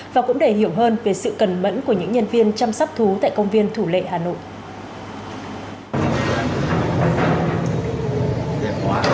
và cũng để hiểu hơn về sự cần mẫn của những nhân viên chăm sóc thú tại công viên thủ lệ hà nội